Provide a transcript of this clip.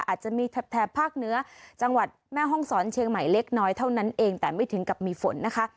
อาจจะมีแถบภาคเหนือจังหวัดแม่ห้องศรเชียงใหม่เล็กน้อยเท่านั้นเองแต่ไม่ถึงกับมีฝนนะคะ